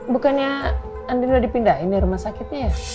bukannya andi udah dipindahin ya rumah sakitnya ya